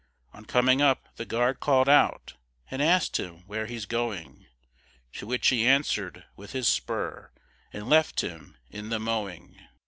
On coming up, the guard call'd out And asked him where he's going To which he answer'd with his spur, And left him in the mowing.